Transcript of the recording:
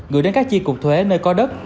gửi đến các chi cục thuế nơi có đất